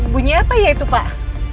bunyi apa ya itu pak